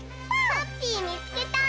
ハッピーみつけた！